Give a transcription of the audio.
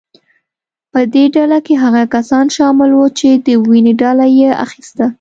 په دې ډله کې هغه کسان شامل وو چې د وینې بدله یې اخیسته.